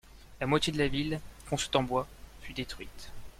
La moitié de la ville, construite en bois, fut détruite.